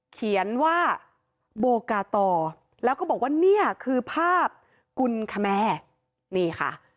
เขียนว่าโบกาตอแล้วก็บอกว่าเนี่ยคือภาพกุลคแมนี่ค่ะ